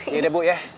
yaudah bu ya